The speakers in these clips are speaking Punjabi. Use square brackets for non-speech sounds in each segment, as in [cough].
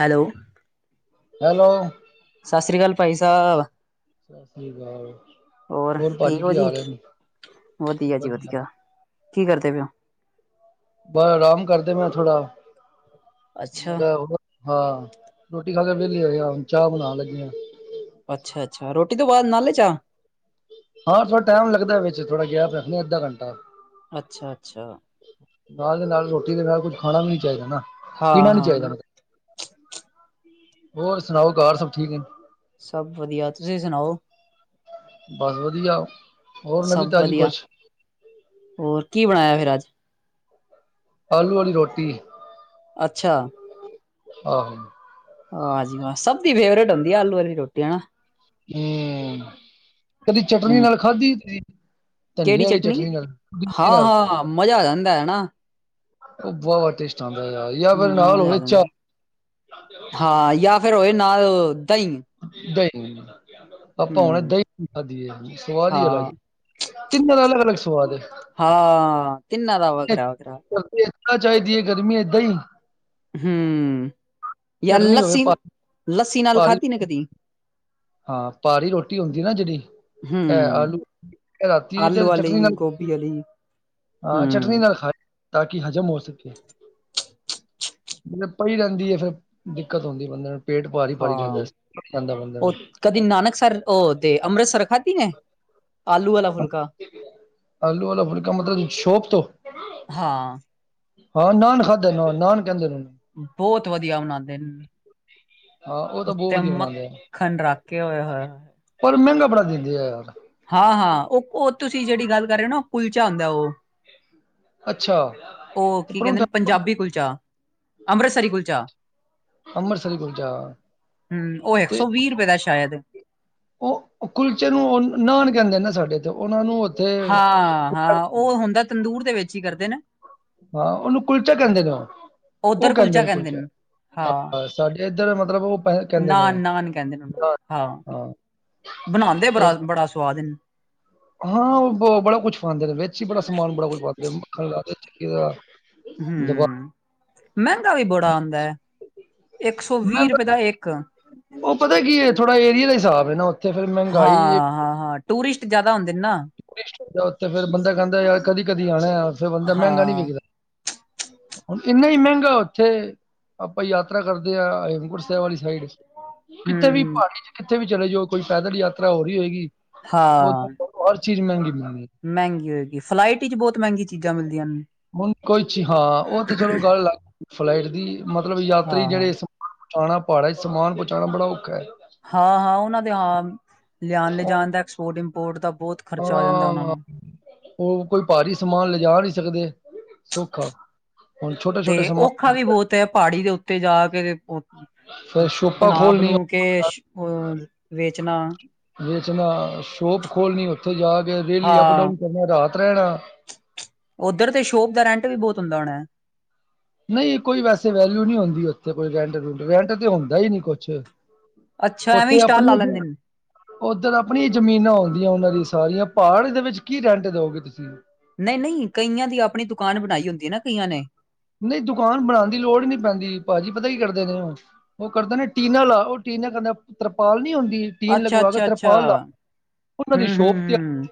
ਹੈਲੋ, ਹੈਲੋ ਸਤਿ ਸ੍ਰੀ ਅਕਾਲ ਭਾਈ ਸਾਹਿਬ। ਸਤਿ ਸ੍ਰੀ ਅਕਾਲ ਹੋਰ ਠੀਕ ਭਾਜੀ ਹੋ ਕੀ ਜੀ, ਹਾਲ ਹੈ ਵਧੀਆ, ਜੀ ਵਧੀਆ। ਕੀ ਕਰਦੇ ਪਏ ਉ। ਬਸ ਆਰਾਮ ਕਰਦੇ ਮੈਂ ਥੋੜਾ ਮੈਂ ਅੱਛਾ ਤਾਂ ਆਪਦਾ। ਹਾਂ ਰੋਟੀ ਖਾ ਕੇ ਵਿਹਲੇ ਆ ਹੁਣ ਚਾਹ ਬਣਾਉਣ ਲੱਗੇ। ਅੱਛਾ, ਅੱਛਾ ਰੋਟੀ ਤੋਂ ਬਾਅਦ ਨਾਲੇ ਹੀ ਚਾਹ? ਹਾਂ ਥੋੜਾ ਟਾਈਮ ਲਗਦਾ ਵਿੱਚ ਥੋੜਾ ਗੈਪ ਰੱਖਦੇ ਆ ਅੱਧਾ ਘੰਟਾ। ਅੱਛਾ ਅੱਛਾ। ਨਾਲ ਦੇ ਨਾਲ ਰੋਟੀ ਦੇ ਨਾਲ ਕੁੱਝ ਖਾਣਾ ਵੀ ਨੀ ਚਾਹੀਦਾ ਨਾ ਹਾਂ ਪੀਣਾ ਨੀ ਹਾਂ ਚਾਹੀਦਾ। ਹੋਰ ਸੁਣਾਓ ਘਰ ਸਭ ਠੀਕ ਨੇ ਨਾ। ਸਭ ਵਧੀਆ, ਤੁਸੀਂ ਸੁਣਾਓ? ਬਸ ਵਧੀਆ। ਹੋਰ ਸਭ ਨਵੀਂ ਤਾਜ਼ੀ ਵਧੀਆ, ਕੁਛ ਹੋਰ ਕੀ ਬਣਾਇਆ ਫਿਰ ਅੱਜ? ਆਲੂ ਵਾਲੀ ਰੋਟੀ। ਅੱਛਾ। ਆਹੋ। ਹਾਂ ਜੀ ਹਾਂ ਸਭ ਦੀ ਫੇਵਰੇਟ ਹੁੰਦੀ ਆਲੂ ਵਾਲੀ ਰੋਟੀ ਹੈ ਨਾ। ਹਮ ਕਦੀ ਚਟਨੀ ਨਾਲ ਖਾਧੀ ਤੁਸੀਂ। ਧਨੀਏ ਕਿਹੜੀ ਵਾਲੀ ਚਟਨੀ ਨਾਲ ਪੁਦੀਨੇ ਹਾਂ ਨਾਲ ਹਾਂ ਮਜ਼ਾ ਆ ਜਾਂਦਾ ਹੈ ਨਾ? ਉਹ ਬਹੁਤ ਟੇਸਟ ਆਉਂਦਾ ਯਾਰ ਯਾ ਫਿਰ ਹਮ, ਨਾਲ ਮਜ਼ਾ ਆ ਹੋਵੇ ਜਾਂਦਾ ਚਾ ਹਾਂ ਜਾਂ ਫਿਰ ਹੋਏ ਨਾਲ ਦਹੀਂ। ਸਹੀ। ਆਪਾਂ ਹੁਣ ਹਮ ਦਹੀਂ ਖਾਧੀ ਸਵਾਦ ਹੀ ਅਲੱਗ ਹਾਂ ਤਿੰਨਾਂ ਦਾ ਅਲੱਗ ਅਲੱਗ ਸਵਾਦ ਹੈ। ਹਾਂ। ਤਿੰਨਾਂ ਦਾ ਵਾ। ਚਾਹੀਦੀ ਹੈ ਗਰਮੀ ਏਦਾਂ ਹੀ ਹਮ ਚਟਨੀ ਹੋਵੇ ਲੱਸੀ ਭਾ ਲੱਸੀ ਨਾਲ ਭਾਰੀ ਖਾਧੀ ਨਾ ਕਦੀ ਹਾਂ ਪਾਰੀ ਰੋਟੀ ਹੁੰਦੀ ਨਾ ਜਿਹੜੀ ਹੈ ਹਮ ਆਲੂ ਰਾਤੀ ਦੀ ਆਲੂ ਤੇ ਚਟਨੀ ਵਾਲੀ ਗੋਭੀ ਨਾਲ ਵਾਲੀ ਹਾਂ ਚਟਨੀ ਹਮ ਨਾਲ ਖਾਧੀ ਤਾਂ ਕਿ ਹਜ਼ਮ ਹੋ ਸਕੇ। ਜ ਪਈ ਰਹਿੰਦੀ ਹੈ ਫੇਰ ਦਿੱਕਤ ਹੁੰਦੀ ਬੰਦੇ ਨੂੰ ਪੇਟ ਭਾਰੀ ਭਾਰੀ ਹਾਂ ਰਹਿੰਦਾਂ ਬੰਦੇ ਉਹ ਨੂੰ। ਕਦੀ ਨਾਨਕ ਸਰ ਉਹ ਤੇ ਅੰਮ੍ਰਿਤਸਰ ਖਾਧੀ ਏ। ਅਲੂ ਵਾਲਾ ਫੁਲਕਾ ਮਤਲਬ ਸ਼ੌਪ ਤੋਂ? ਹਾਂ। ਹਾਂ ਨਾਨ ਖਾਦੇ ਨੇ ਨਾਨ ਕਹਿੰਦੇ ਨੇ। ਬਹੁਤ ਵਧੀਆ ਬਣਾਂਦੇ ਨੇ। ਹਾਂ ਉਹ ਤਾਂ ਬਹੁਤ ਉੱਤੇ ਵਧੀਆ ਬਣਾਉਂਦੇ ਆ ਮੱਖਣ ਰੱਖ ਕੇ ਓਏ ਹੋਏ ਹੋਏ। ਪਰ ਮਹਿੰਗਾ ਬੜਾ ਦਿੰਦੇ ਆ ਯਾਰ। ਹਾਂ ਹਾਂ ਉਹ ਉਹ ਤੁਸੀਂ ਜਿਹੜੀ ਗੱਲ ਕਰ ਰਹੇ ਹੋ ਨਾ ਕੁਲਚਾ ਹੁੰਦਾ ਹੈ ਉਹ। ਅੱਛਾ ਉਹ ਤੇ ਕੀ ਕਹਿੰਦੇ ਪਰੌਂਠਾ ਨੇ ਪੰਜਾਬੀ ਕੁਲਚਾ, ਅੰਮ੍ਰਿਤਸਰੀ ਕੁਲਚਾ ਅੰਮ੍ਰਿਤਸਰੀ ਕੁਲਚਾ ਹਮ ਉਹ ਇੱਕ ਤੇ ਸੌ ਵੀਹ ਰੁਪਏ ਦਾ ਸ਼ਾਇਦ, ਉਹ ਕੁਲਚੇ ਨੂੰ ਉਹ ਨਾਨ ਕਹਿੰਦੇ ਨਾ ਸਾਡੇ ਉਹਨਾ ਨੂੰ ਹਾਂ ਹਾਂ ਉਹ ਹੁੰਦਾ ਤੰਦੂਰ ਦੇ ਵਿੱਚ ਹੀ ਕਰਦੇ ਨੇ, ਹਾਂ ਉਹਨੂੰ ਕੁਲਚਾ ਕਹਿੰਦੇ ਨੇ ਉਹ ਉਹ ਕਹਿੰਦੇ ਨੇ ਕੁਲਚਾ ਸਾਡੇ ਇੱਧਰ ਮਤਲਬ ਉਹ ਪੈ ਕਹਿੰਦੇ ਨਾ ਨੇ ਨਾਨ ਕਹਿੰਦੇ ਉਹ ਨਾਨ। ਹਾਂ ਬਣਾਉਦੇ ਬਸ ਬੜਾ ਸਵਾਦ ਹਾਂ ਬੜਾ ਕੁਛ ਪਾਾਂਦੇ ਨੇ ਵਿੱਚ ਹੀ ਬੜਾ ਸਮਾਨ ਬੜਾ ਕੁਛ ਪੈਂਦੇ ਮੱਖਣ ਲਾ ਚੱਕੀ ਦਾ ਦਬਾ ਹਮ ਮਹਿੰਗਾ ਵੀ ਬੜਾ ਆਉਂਦਾ ਹੈ। ਇੱਕ ਸੌ ਮੈਂ ਵੀਹ ਰੁਪਏ ਦਾ ਇੱਕ ਉਹ ਪਤਾ ਕੀ ਥੋੜਾ ਏਰੀਏ ਦਾ ਹਿਸਾਬ ਹੈ, ਨਾ ਉੱਥੇ ਫੇਰ ਮਹਿੰਗਾਈ ਹਾਂ-ਹਾਂ-ਹਾਂ ਟੂਰਿਸਟ ਜ਼ਿਆਦਾ ਹੁੰਦੇ ਨੇ ਨਾ ਉਥ ਫਿਰ ਬੰਦਾ ਕਹਿੰਦਾ ਯਾਰ ਕਦੀ ਕਦੀ ਆਉਣਾ ਫਿਰ ਬੰਦਾ ਮਹਿੰਗਾ ਨਹੀਂ ਹਾਂ ਵਿਕਦਾ ਹੁਣ ਇੰਨਾ ਹੀ ਮਹਿੰਗਾ ਉੱਥੇ ਆਪਾਂ ਯਾਤਰਾ ਕਰਦੇ ਹ ਹੇਮ ਵਾਲੀ ਸਾਈਡ ਕਿੱਥੇ ਵੀ ਹੂੰ ਪਹਾੜੀ ਚ ਕਿੱਥੇ ਵੀ ਚਲੇ ਜਾਓ ਕੋਈ ਪੈਦਲ ਯਾਤਰਾ ਹੋ ਰਹੀ ਹੋਏਗੀ, ਉਹ ਹਾਂ ਤਾਂ ਚੀਜ਼ ਮਹਿੰਗੀ ਮਿਲਈ ਮਹਿੰਗੀ ਹੋਏਗੀ ਫਲਾਈਟ ਚ ਬਹੁਤ ਮਹਿੰਗੀ ਚੀਜ਼ਾਂ ਮਿਲਦੀਆਂ ਨੇ, ਕੋਈ ਹਾਂ ਉਹ ਤੇ ਚਲੋ ਗੱਲ ਫਲਾਈਟ ਦੀ ਮਤਲਬ ਯਾਤਰੀ ਹਾਂ-ਹਾਂ, ਜਿਹੜੇ ਪਉਣਾ ਭੜਾ ਸਮਾਨ ਪਹੁੰਚਾਣਾ ਬੜਾ ਔਖਾ ਹੈ। ਹਾਂ ਹਾਂ ਉਹਨਾਂ ਦੇ ਹ ਲਿਆਉਣ ਉਹ- ਲਿਜਣ ਦਾ ਐਕਸਪੋਰਟ ਇੰਪੋਰਟ ਦਾ ਬਹੁਤ ਖਰਚਾ ਆ ਜਾਂਦਾ ਉਹਨਾਂ ਹਾਂ ਨੂੰ ਉਹ ਕੋਈ ਭਾਰੀ ਸਮਾਨ ਲਿਜਾ ਨਹੀਂ ਸਕਦੇ ਸੌਖਾ ਹੁਣ ਛੋਟੇ-ਛੋਟੇ ਤੇ ਸਮਾਨ ਔਖਾ ਵੀ ਬਹੁਤ ਹੈ ਪਹਾੜੀ ਦੇ ਉੱਤੇ ਜਾ ਕੇ ਫਿਰ ਸ਼ੋਪਾਂ ਪਣਾਬ ਖੋਲਣੀ ਨੂੰ ਕੇ ਵੇਚਣਾ ਵੇਚਣਾ ਸ਼ੋਪ ਖੋਲਣੀ ਉੱਥੇ ਜਾ ਕੇ ਰੇਲੀ ਅਪ ਹਾਂ ਡਾਊਨ ਕਰਨਾ ਰਾਤ ਰਹਿਣਾ ਉੱਧਰ ਤੇ ਸ਼ੋਪ ਦਾ ਰੈਂਟ ਵੀ ਬਹੁਤ ਹੁੰਦਾ ਹੋਣਾ ਨਹੀਂ ਕੋਈ ਵੈਸੇ ਵੈਲਿਊ ਨਹੀਂ ਹੁੰਦੀ ਉੱਥੇ ਕੋਈ ਰੈਂਟ ਤੇ ਹੁੰਦਾ ਹੀ ਨਹੀਂ ਕੁਛ ਅੱਛਾ ਐਵੇਂ ਹੀ ਪੁੱਤੇ ਸਟਾਲ ਲਾ ਆਪਣੀ ਲੈਂਦੇ ਨੇ। ਉੱਧਰ ਆਪਣੀ ਜ਼ਮੀਨਾਂ ਆਉਂਦੀਆਂ ਉਹਨਾਂ ਦੀ ਸਾਰੀਆਂ ਪਹਾੜ ਦੇ ਵਿੱਚ ਕੀ ਰੈਂਟ ਦਓਗੇ ਤੁਸੀਂ ਨਹੀਂ ਨਹੀਂ ਕਈਆਂ ਦੀ ਆਪਣੀ ਦੁਕਾਨ ਬਣਾਈ ਹੁੰਦੀ ਹੈ ਨਾ ਕਈਆਂ ਨੇ ਨਹੀਂ ਦੁਕਾਨ ਬਣਾਉਣ ਦੀ ਲੋੜ ਹੀ ਨਹੀਂ ਪੈਂਦੀ ਭਾਜੀ ਪਤਾ ਕੀ ਕਰਦੇ ਨੇ ਉਹ ਉਹ ਕਰਦਾ ਨੇ ਟੀਨਾ ਲਾ, ਉਹ ਟੀਨਾ ਕਹਿੰਦਾ ਤਰਪਾਲ ਨਹੀਂ ਹੁੰਦੀ ਟੀਨ ਅੱਛਾ ਲਗਵਾ ਕੇ ਅੱਛਾ ਅੱਛਾ ਤਰਪਾਲ ਲਾ ਉਹਨਾਂ ਦੀ ਹੂੰ ਹੂੰ ਸ਼ੋਪ ਤੇ ਆ ਹੂੰ।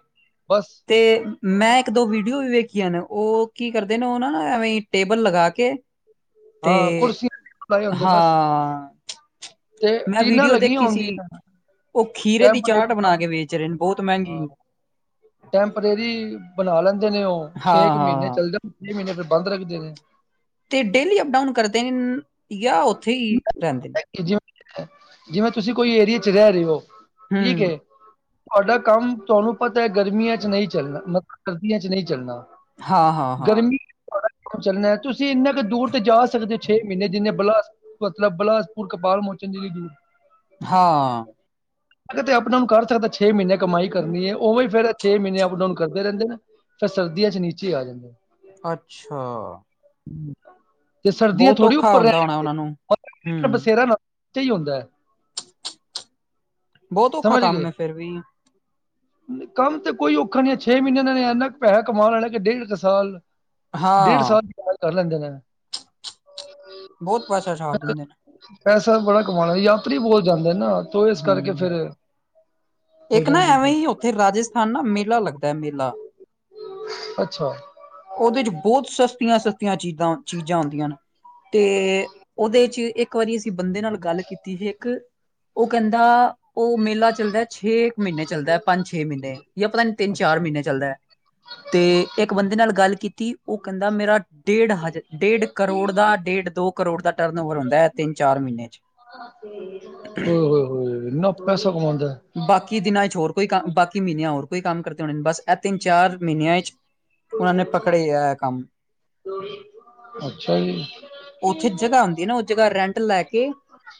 ਬਸ। ਤੇ ਮੈਂ ਇੱਕ ਦੋ ਵੀਡੀਓ ਵੀ ਵੇਖੀਆਂ ਨੇ, ਉਹ ਕੀ ਕਰਦੇ ਨੇ ਉਹ ਨਾ ਐਵੇਂ ਟੇਬਲ ਲਗਾ ਕੇ ਤੇ ਹਾਂ ਕੁਰਸੀ ਹੁੰਦੇ ਬਸ। ਹਾਂ ਤੇ ਮੈਂ ਟੀਨਾਂ ਵੀਡੀਓ ਲੱਗੀਆਂ ਦੇਖੀ ਸੀ। ਹੁੰਦੀਆਂ। ਉਹ ਖੀਰੇ ਦੀ ਚਾਟ ਟੈਂਪਰੇਰੀ ਬਣਾ ਕੰਮ ਕੇ ਵੇਚ ਰਹੇ ਨੇ ਬਹੁਤ ਮਹਿੰਗੀ। ਹਾਂ ਟੈਂਪਰੇਰੀ ਬਣਾ ਲੈਂਦੇ ਨੇ ਉਹ। ਛੇ ਹਾਂ ਕੁ ਮਹੀਨੇ ਹਾਂ ਚੱਲਦੇ। ਛੇ ਮਹੀਨੇ ਬੰਦ ਰੱਖਦੇ ਨੇ। ਤੇ ਡੇਲੀ ਅਪ- ਡਾਊਨ ਕਰਦੇ ਨੇ। ਜਾਂ ਉੱਥੇ ਹੀ ਰਹਿੰਦੇ ਨੇ? ਜਿਵੇਂ ਜਿਵੇਂ ਤੁਸੀਂ ਕੋਈ ਏਰੀਏ ਚ ਰਹਿ ਰਹੇ ਹੋ। ਠੀਕ ਹੂੰ ਹੈ? ਤੁਹਾਡਾ ਕੰਮ ਤੁਹਾਨੂੰ ਪਤਾ ਹੈ ਗਰਮੀਆਂ ਚ ਨਹੀਂ ਚੱਲਣਾ ਮਤਲਬ ਸਰਦੀਆਂ ਚ ਨਹੀਂ ਚੱਲਣਾ ਹਾਂ ਹਾਂ ਹਾਂ ਗਰਮੀ ਚੱਲਣਾ ਤੁਸੀਂ ਇੰਨਾ ਕੁ ਦੂਰ ਤੇ ਜਾ ਸਕਦੇ ਹੋ ਛੇ ਮਹੀਨੇ ਜਿੰਨੇ ਬਲਾਸ ਮਤਲਬ ਬਿਲਾਸਪੁਰ ਕਪਾਲ ਮੋਚਨ ਜ ਲਈ ਦੂਰ ਹਾਂ [inaudible] ਤੇ ਅਪਡਾਊਨ ਕਰ ਸਕਦਾ ਛੇ ਮਹੀਨੇ ਕਮਾਈ ਕਰਨੀ ਹੈ, ਉਵੇ ਫੇਰ ਛੇ ਮਹੀਨੇ ਅਪਡਾਊਨ ਕਰਦੇ ਰਹਿੰਦੇ ਨੇ, ਫਿਰ ਸਰਦੀਆਂ ਚ ਨੀਚੇ ਆ ਜਾਂਦੇ ਅੱਛਾ ਤੇ ਸਰਦੀਆਂ ਬਹੁਤ ਥੋੜ੍ਹੀ ਔਖਾ ਉੱਪਰ ਹੁੰਦਾ ਹੋਣਾ ਉਹਨਾਂ ਨੂੰ ਰਹਿਆਂ ਹੂੰ ਬਸੇਰਾ ਹੀ ਹੁੰਦਾ ਬਹੁਤ ਔਖਾ ਕੰਮ ਹੈ ਫੇਰ ਵੀ ਹ [inaudible] ਕੰਮ ਤੇ ਕੋਈ ਔਖਾ ਨਹੀ ਹੈ। ਛੇ ਮਹੀਨੇ ਇਹਨਾਂ ਨੇ ਇੰਨਾ ਕੁ ਪੈਸਾ ਕਮਾ ਲੈ ਲੈਣੈ ਕੇ ਡੇਢ ਕੁ ਸਾਲ ਡੇਢ ਹਾਂ ਸਾਲ ਦੀ ਕਮਾਈ ਕਰ ਲੈਂਦੇ ਨੇ। ਬਹੁਤ ਪੈਸਾ ਛਾਪ ਦਿੰਦੇ ਨੇ ਪੈਸਾ ਤਾਂ ਬੜਾ ਕਮਾ ਲੈਂਦੇ। ਯਾਤਰੀ ਬਹੁਤ ਜਾਂਦੇ ਨਾਂ ਤੋ ਇਸ ਕਰਕੇ। ਫਿਰ ਹੂੰ ਹੋ ਇੱਕ ਨਾ ਜਾਂਦੀ ਐਵੇਂ ਹੈ ਹੀ ਉੱਥੇ ਰਾਜਸਥਾਨ ਨਾ ਮੇਲਾ ਲੱਗਦਾ ਹੈ ਮੇਲਾ। ਅੱਛਾ। ਉਹਦੇ ਚ ਬਹੁਤ ਸਸਤੀਆਂ- ਸਸਤੀਆਂ ਚੀਜ਼ਾਂ, ਚੀਜ਼ਾਂ ਆਉਂਦੀਆਂ ਨੇ। ਤੇ ਉਹਦੇ ਚ' ਇੱਕ ਇੱਕ ਵਾਰੀ ਅਸੀਂ ਬੰਦੇ ਨਾਲ ਗੱਲ ਕੀਤੀ ਸੀ। ਇੱਕ ਉਹ ਕਹਿੰਦਾ ਉਹ ਮੇਲਾ ਚੱਲਦਾ ਛੇ ਮਹੀਨੇ ਚੱਲਦਾ ਪੰਜ- ਛੇ ਮਹੀਨੇ ਜਾਂ ਪਤਾ ਨ ਤਿੰਨ- ਚਾਰ ਅੱਛਾ ਮਹੀਨੇ ਚੱਲਦਾ ਹੈ। ਤੇ ਇੱਕ ਬੰਦੇ ਨਾਲ ਗੱਲ ਕੀਤੀ ਉਹ ਕਹਿੰਦਾ ਮੇਰਾ ਡੇਢ ਹਜ਼ ਡੇਢ ਕਰੋੜ ਦਾ ਡੇਢ- ਦੋ ਕਰੋੜ ਦਾ ਟਰਨ ਓਵਰ ਹੁੰਦਾ ਹੈ ਤਿੰਨ ਚਾਰ ਮਹੀਨੇ ਚ'। ਹਮ- ਹਮ- ਹਮ ਇੰਨਾ ਪੈਸਾ ਕਮਾਉਂਦੇ ਨੇ। ਵੀ ਦਿਨਾਂ 'ਚ ਹੋਰ ਕੋਈ ਕੰਮ, ਬਾਕੀ ਮਹੀਨਿਆਂ ਚ' ਹੋਰ ਕੋਈ ਕੰਮ ਕਰਦੇ ਹੋਣੇ ਨੇ। ਬਸ ਇਹ ਤਿੰਨ- ਚਾਰ ਮਹੀਨਿਆਂ 'ਚ ਉਹਨਾਂ ਨੇ ਪਕੜੇ ਇਹ ਕੰਮ। ਅੱਛਾ ਜੀ। ਉੱਥੇ ਜਗ੍ਹਾ ਹੁੰਦੀ ਹੈ ਨਾ ਉਹ ਜਗ੍ਹਾ ਰੈਂਟ ਲੈ ਕੇ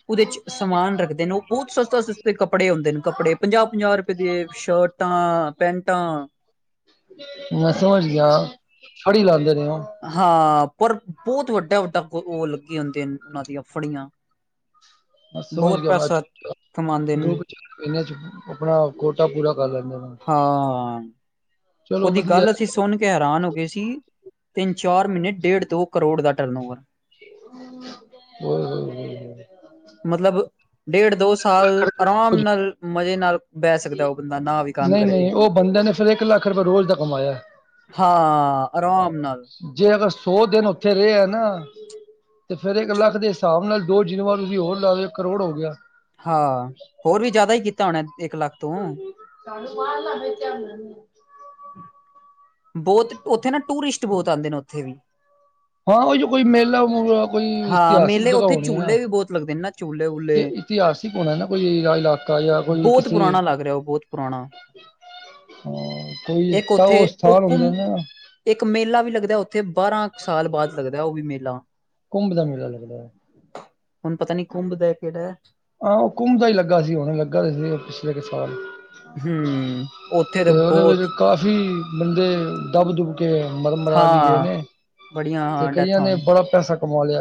ਉਹਦੇ ਚ' ਸਮਾਨ ਰੱਖਦੇ ਨੇ। ਉਹ ਬਹੁਤ ਸਸਤੇ -ਸਸਤੇ ਕਪੜੇ ਹੁੰਦੇ ਨੇ। ਕਪੜੇ ਪੰਜਾਹ- ਪੰਜਾਹ ਰੁਪਏ ਦੇ ਸ਼ਰਟ, ਟਾਂ, ਪੈਂਨਟਾ। ਮੈਂ ਸਮਝ ਗਿਆ। ਫੜੀ ਲਾਉਦੇ ਨੇ ਉਹ। ਹਾਂ। ਪਰ ਬਹੁਤ ਵੱਡਾ -। ਵੱਡਾ ਉਹ ਲੱਗੇ ਹੁੰਦੇ ਨੇ ਉਹਨਾਂ ਦੀਆਂ ਫੜੀਆਂ। ਸਮਝ ਬਹੁਤ ਗਿਆ। ਮੈਂ ਪੈਸਾ ਕਮਾਉਂਦੇ ਨੇ ਇਹਨਾਂ ਚ' ਆਪਣਾ ਕੋਟਾ ਪੂਰਾ ਕਰ ਲੈਂਦੇ ਨੇ। ਹਾਂ। ਚਲੋ ਉਹਦੀ ਵਧੀਆ ਗੱਲ ਅਸੀਂ ਸੁਣ ਕੇ ਹੈਰਾਨ ਹੋ ਗਏ ਸੀ। ਤਿੰਨ- ਚਾਰ ਮਹੀਨੇ ਡੇਢ ਤੋਂ ਕਰੋੜ ਦਾ ਟਰਨ ਓਵਰ। ਹਮ-ਹਮ-ਹਮ ਮਤਲਬ ਡੇਢ- ਦੋ ਸਾਲ ਆਰਾਮ ਕੁਝ ਨਾਲ ਮਜ਼ੇ ਨਾਲ ਬਹਿ ਸਕਦਾ ਉਹ। ਬੰਦਾ ਨਾ ਵੀ ਕੰਮ ਨਹੀਂ- ਕਰੇ ਤੇ ਨਹੀਂ ਉਹ ਬੰਦ ਨੇ ਫਿਰ ਇੱਕ ਲੱਖ ਰੁਪਏ ਰੋਜ਼ ਦਾ ਕਮਾਇਆ। ਹਾਂ। ਆਰਾਮ ਨਾਲ। ਜੇ ਅਗਰ ਸੌ ਦਿਨ ਉੱਥੇ ਰਹੇ ਹੈ ਨਾ। ਅਤੇ ਫਿਰ ਇੱਕ ਲੱਖ ਦੇ ਹਿਸਾਬ ਨਾਲ ਦੋ ਜਿੰਨਵਾਰ ਤੁਸੀਂ ਹੋਰ ਲਾ ਦਿਓ ਕਰੋੜ ਹੋ ਗਿਆ। ਹਾਂ ਹੋਰ ਵੀ ਜ਼ਿਆਦਾ ਹੀ ਕੀਤਾ ਹੁਣ ਇੱਕ ਲੱਖ ਤੋਂ। ਚਾਨੂੰ ਬਾਹ ਲ ਮ ਤੇ [unintelligible] ਬਹੁਤ ਉੱਥੇ ਨਾ ਟੂਰਿਸਟ ਬਹੁਤ ਆਉਂਦੇ ਨੇ ਉੱਥੇ ਵੀ। ਹਾਂ ਉਹ ਜੋ ਕੋਈ ਮੇਲਾ ਮੁਲਾ ਕੋਈ ਹਾਂ ਇਤਿਹਾਸਿਕ ਮੇਲੇ ਜਗ੍ਹਾ ਉੱਥੇ ਹੋਣੀ ਹੈ ਨਾ। ਝੂਲੇ ਵੀ ਬਹੁਤ ਲੱਗਦੇ ਨੇ ਨਾ ਝੂਲੇ ਤੇ ਵੂਲੇ ਇਤਿਹਾਸਿਕ ਹੋਣਾ ਨਾ ਕੋਈ ਇਲਾਕਾ ਜਾਂ ਕੋਈ ਬਹੁਤ ਕਿਸੇ ਪੁਰਾਣਾ ਲੱਗ ਰਿਹਾ ਉਹ ਬਹੁਤ ਪੁਰਾਣਾ ਹਾਂ, ਕੋਈ ਇੱਕ ਤਾਂ ਉੱਥੇ ਉਸ ਉਹ ਘੁੰਮ, ਇੱਕ ਮੇਲਾ ਵੀ ਲੱਗਦਾ ਉੱਥੇ ਬਾਰਾਂ ਕੁ ਸਾਲ ਬਾਅਦ ਲੱਗਦਾ ਉਹ ਵੀ ਮੇਲਾ। ਕੁੰਭ ਦਾ ਮੇਲਾ ਲੱਗਦਾ। ਹੁਣ ਪਤਾ ਨੀ ਕੁੰਭ ਦਾ ਕਿਹੜਾ ਆਹ ਉਹ ਕੁੰਭ ਦਾ ਹੀ ਲੱਗਾ ਸੀ। ਹੁਨ ਲੱਗਾ ਸੀ ਪਿਛਲੇ ਕੁ ਸਾਲ। ਹਮ ਉੱਥੇ ਤੇ ਤਾਂ ਉਹਦੇ ਬਹੁਤ ਵਿੱਚ ਕਾਫੀ ਬੰਦੇ ਦੱਬ- ਦੁੱਬ। ਮਰਣ ਮਰਾਨ ਦੀ ਗੇਮ ਹਾਂ, ਵੇ। ਨੇ ਬੜੀਆਂ ਤੇ ਹਾਂ ਕਈਆਂ ਡੈਥਾਂ ਨੇ ਹੋਈਆਂ। ਬੜਾ ਪੈਸਾ ਕਮਾ ਲਿਆ।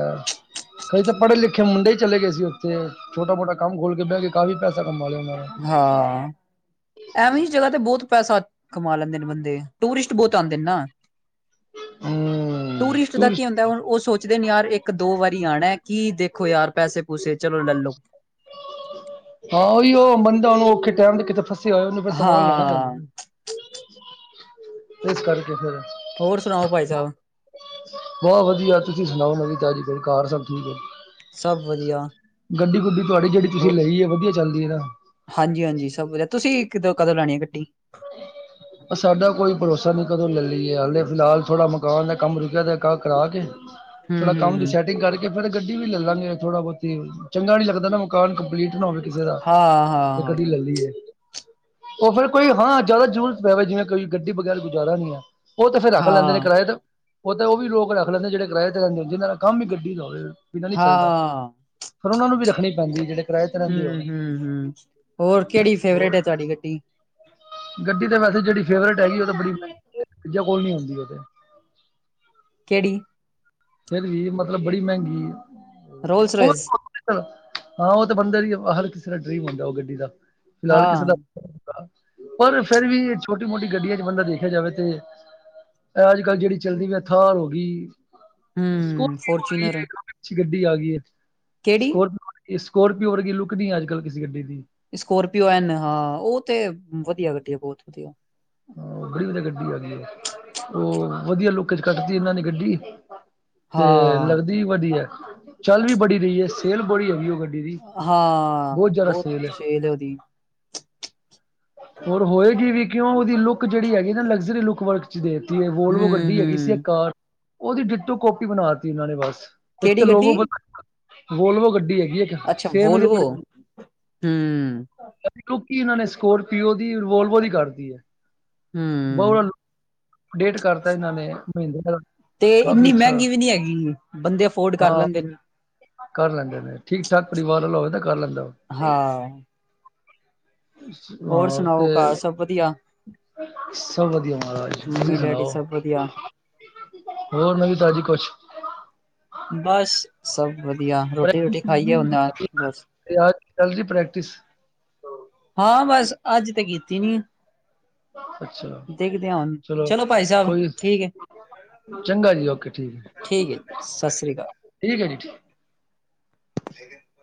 ਕਈ ਤਾਂ ਪੜ੍ਹੇ- ਲਿਖੇ ਮੁੰਡੇ ਹੀ ਚਲੇ ਗਏ ਸੀ ਉੱਥੇ। ਛੋਟਾ ਕੰਮ ਖੋਲ ਕੇ ਬਹਿ ਗਏ। ਤਾਂ ਵੀ ਪੈਸਾ ਕਮਾ ਲਿਆ ਉਹਨਾਂ ਨੇ। ਹਾਂ। ਐਵੇਂ ਹੀ ਜਗ੍ਹਾ ਤੇ ਬਹੁਤ ਪੈਸਾ ਕਮਾ ਲੈਂਦੇ ਨੇ ਬੰਦੇ। ਟੂਰਿਸਟ ਬਹੁਤ ਆਉਂਦੇ ਨੇ ਨਾ। ਟੂਰਿਸਟ ਦਾ ਕੀ ਹੁੰਦੈ ਹੁਣ, ਉਹ ਸੋਚਦੇ ਨੇ ਯਾਰ ਇੱਕ ਇੱਕ -ਦੋ ਵਾਰੀ ਆਉਣਾ ਕੀ ਦੇਖੋ ਯਾਰ ਪੈਸੇ- ਪੂਸੇ ਚਲੋ ਲੈਲੋ। ਹਾਂ ਉਹੀ ਉਹ ਬੰਦਾ ਉਹਨੂੰ ਔਖੇ ਟੈਮ ਦੇ ਕਿਤੇ ਫਸੇ ਹੋਏ ਉਹਨੂੰ ਫਿਰ ਸਮਾਨ ਲੈਣਾ ਹਾਂ, ਬੰਦਾ। ਇਸ ਕਰਕੇ ਫਿਰ, ਹੋਰ ਸੁਣਾਓ ਭਾਈ ਸਾਹਿਬ? ਬਹੁਤ ਵਧੀਆ ਤੁਸੀਂ ਸੁਣਾਓ ਨਵੀਂ ਤਾਜ਼ੀ ਕੋਈ ਘਰ ਸਭ ਠੀਕ ਹੈ। ਸਭ ਵਧੀਆ। ਗੱਡੀ ਗੁੱਡੀ ਤੁਹਾਡੀ ਜਿਹੜੀ ਤੁਸੀਂ ਉਹ ਲਈ ਹੈ ਵਧੀਆ ਚੱਲਦੀ ਹੈ ਨਾ। ਹਾਂਜੀ-ਹਾਂਜੀ, ਸਭ ਵਧੀਆ ਤੁਸੀਂ ਕਿਦੋਂ ਕਦੋਂ ਲੈਣੀ ਆ ਗੱਡੀ? [unintelligible] ਸਾਡਾ ਕੋਈ ਭਰੋਸਾ ਨੀ ਕਦੋਂ ਲੈ ਲਈਏ ਹਾਲੇ ਫਿਲਹਾਲ ਥੋੜਾ ਮਕਾਨ ਦਾ ਕੰਮ ਰੁਕਿਆ ਤੇ ਕਰਾ ਕੇ ਥੋੜਾ ਕੰਮ ਦੀ ਹੂੰ-ਹੂੰ। ਸੈਟਿੰਗ ਕਰਕੇ ਫਿਰ ਗੱਡੀ ਵੀ ਲੈ ਲਾਂਗੇ ਥੋੜਾ ਬਹੁਤੀ ਚੰਗਾ ਨੀ ਲੱਗਦਾ ਨਾ ਮਕਾਨ ਕੰਪਲੀਟ ਨਾ ਹੋਵੇ। ਕਿਸੇ ਦਾ ਤੇ ਹਾਂ-ਹਾਂ, ਗੱਡੀ ਲੈ ਲਈ ਹੈ। ਉਹ ਫਿਰ ਕੋਈ ਹਾਂ ਜ਼ਿਆਦਾ ਜ਼ਰੂਰਤ ਪੈਵੇ ਜਿਵੇਂ ਕੋਈ ਗੱਡੀ ਵਗੈਰਾ ਗੁਜ਼ਾਰਾ ਨਹੀਂ ਹੈ। ਉਹ ਤੇ ਫੇਰ ਹਾਂ, ਰੱਖ ਲੈਂਦੇ ਨੇ ਹਾਂ। ਕਿਰਾਏ ਤੇ। ਉਹ ਤਾਂ ਉਹ ਵੀ ਲੋਕ ਰੱਖ ਲੈਂਦੇ ਜਿਹੜੇ ਕਿਰਾਏ ਤੇ ਰਹਿੰਦੇ ਨੇ ਜਿਹਨਾਂ ਦਾ ਕੰਮ ਵੀ ਗੱਡੀ ਦਾ ਹੋਵੇ ਬਿਨਾਂ ਨਹੀਂ ਚੱਲਦਾ। ਫਿਰ ਉਹਨਾਂ ਨੂੰ ਰੱਖਣੀ ਪੈਂਦੀ ਹੈ ਜਿਹੜੇ ਕਿਰਾਏ ਤੇ ਰਹਿੰਦੇ ਹੂੰ, ਹੋਣ ਹੂੰ, ਹੂੰ, ਹੋਰ ਕਿਹੜੀ ਫੇਵਰੇਟ ਹੋਰ ਹੈ ਤੁਹਾਡੀ ਗੱਟੀ? ਗੱਡੀ ਤਾਂ ਵੈਸੇ ਜਿਹੜੀ ਫੇਵਰੇਟ ਹੈਗੀ ਉਹ ਤਾਂ ਬੜੀ ਮਹਿੰਗੀ ਕੋਲ ਨੀ ਹੁੰਦੀ ਉਹ ਤੇ, ਕਿਹੜੀ? ਫਿਰ ਵੀ ਮਤਲਬ ਬੜੀ ਮਹਿੰਗੀ ਏ। ਰੋਲਜ਼ ਰੋਜ਼ ਹਾਂ, ਉਹ ਤਾਂ ਬੰਦਾ ਹੀ ਹਰ ਕਿਸੇ ਦਾ ਡਰੀਮ ਹੁੰਦਾ ਉਹ ਗੱਡੀ ਦਾ ਫਿਲਹਾਲ ਹਾਂ ਕਿਸੇ ਦਾ ਪਰ ਫੇਰ ਵੀ ਛੋਟੀ ਮੋਟੀ ਗੱਡੀਆਂ ਚ ਬੰਦਾ ਦੇਖਿਆ ਜਾਵੇ ਤੇ ਅੱਜ ਕੱਲ੍ਹ ਜਿਹੜੀ ਚੱਲਦੀ ਵੀ ਥਾਰ ਹੋ ਗਈ। ਹਾਂ ਸਕੋਰਪੀਓ ਆ ਗਈ ਫੋਰਚੂਨਰ ਹੈ ਕਾਫੀ ਅੱਛੀ ਗੱਡੀ ਆ ਗਈ ਹੈ, ਕਿਹੜੀ ਸਕੋਰਪੀਓ ਸਕੋਰਪੀਓ ਵਰਗੀ ਲੁੱਕ ਨ ਅੱਜ ਕੱਲ੍ਹ ਕਿਸੇ ਗੱਡੀ ਦੀ। ਸਕੋਰਪੀਓ ਐਨ ਹਾਂ ਉਹ ਤੇ ਵਧੀਆ ਗੱਡੀ ਆ ਬਹੁਤ ਵਧੀਆ। ਹ ਬੜੀ ਵਧੀਆ ਗੱਡੀ ਆ ਗਈ ਹੈ, ਉਹ ਵਧੀਆ ਲੋਕ ਚ ਕੱਟਤੀ ਇਹਨਾਂ ਨੇ ਗੱਡੀ। ਤੇ ਹਾਂ ਲੱਗਦੀ ਵੀ ਵਧੀਆ ਚੱਲ ਵੀ ਬੜੀ ਰਹੀ ਹੈ ਸੇਲ ਬੜੀ ਹੈਗੀ ਹੋ ਗ ਹਾਂ, ਬਹੁਤ ਸੇਲ ਉਹਦੀ। ਹੋਰ ਹੋਏਗੀ ਵੀ ਕਿਉਂ ਉਹਦੀ ਲੁੱਕ ਜਿਹੜੀ ਹੈਗੀ ਨਾ ਲਗਜ਼ਰੀ ਲੁੱਕ ਵਰ ਦੇਤੀ ਹੂੰ ਵੋਲਵੋ ਗੱਡੀ ਹੈਗੀ ਸੀ ਇੱਕ ਹੂੰ ਕਾਰ ਉਹਦੀ ਡਿਟੋ ਕਪੀ ਬਣਾ ਤੀ ਇਹਨਾਂ ਨੇ ਬਸ। ਇੱਕ ਤਾਂ ਕਿਹੜੀ ਲੋਕੋ ਗੱਡੀ ਬਤਾ ਵੋਲਵੋ ਗੱਡੀ ਹੈਗੀ ਹੈ। ਅੱਛਾ ਸੇਮ ਇਹ ਦੇ ਵੋਲਵੋ ਹੂੰ ਕਿਉਂਕਿ ਇਹਨਾਂ ਨੇ ਸਕੋਰਪੀਓ ਦੀ ਰਿਵੋਲਵੋ ਦੀ ਕਰਤੀ ਹੈ, ਹੂੰ ਬਹੁਤ ਫਿਰ ਕਰਤਾ ਇਹਨਾਂ ਨੇ ਮਹਿੰਦਿਆਂ ਦਾ ਤੇ ਕਾਫੀ ਇੰਨੀ ਅੱਛਾ ਮਹਿੰਗੀ ਵੀ ਨੀ ਹੈਗੀ, ਬੰਦੇ ਅਫੋਰਡ ਕਰ ਹਾਂ ਲੈਂਦੇ ਨੇ। ਕਰ ਲੈਂਦੇ ਨੇ ਠੀਕ- ਠਾਕ ਪਰਿਵਾਰ ਵਾਲਾ ਹੋਵੇ ਤਾਂ ਕਰ ਲੈਂਦਾ ਹਾਂ ਹੋਰ ਹਾਂ ਸੁਣਾਓ ਘਰ ਤੇ, ਸਭ ਵਧੀਆ ਸਭ ਵਧੀਆ ਮਹਾਰਾਜਾ। ਮੰਮੀ ਡੈਡੀ ਸਭ ਵਧੀਆ। ਹੋਰ ਨਵੀ ਤਾਜ਼ੀ ਕੁਛ, ਬਸ ਸਭ ਵਧੀਆ ਰੋਟੀ ਰੋਟੀ ਖਾਈਏ ਉਹਨਾਂ ਬਸ, ਤੇ ਆ ਚੱਲਦੀ ਪ੍ਰੈਕਟਿਸ। ਹਾਂ ਬਸ ਅੱਜ ਤਾਂ ਕੀਤੀ ਨੀ। ਅੱਛਾ, ਦੇਖਦੇ ਹਾਂ ਹੁਣ ਚਲੋ ਭਾਈ ਸਾਹਿਬ ਕੋਈ ਠੀਕ ਹੈ ਚੰਗਾ ਜੀ ਓਕੇ ਠੀਕ ਹੈ, ਠੀਕ ਸਤਿ ਸ੍ਰੀ ਅਕਾਲ ਠੀਕ ਹੈ ਜੀ। ਠੀਕ ਹੈ।